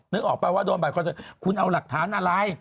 นึกออกไปว่าโดนบัตรคอนเสิร์ตคุณเอาหลักฐานอะไร